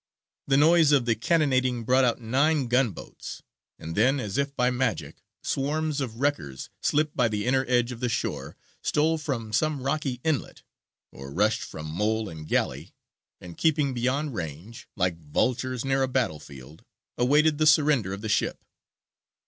The noise of the cannonading brought out nine gun boats; and then, as if by magic, swarms of wreckers slipped by the inner edge of the shore, stole from some rocky inlet, or rushed from mole and galley, and keeping beyond range, like vultures near a battle field, awaited the surrender of the ship.